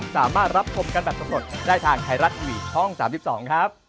สวัสดีครับ